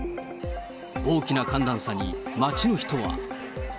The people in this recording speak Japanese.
大きな寒暖差に街の人は。